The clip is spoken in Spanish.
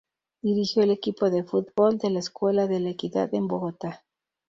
Dirigió el equipo de fútbol de la escuela de la equidad en Bogotá.